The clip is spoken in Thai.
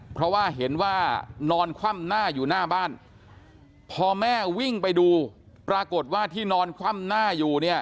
เพราะว่าเห็นว่านอนคว่ำหน้าอยู่หน้าบ้านพอแม่วิ่งไปดูปรากฏว่าที่นอนคว่ำหน้าอยู่เนี่ย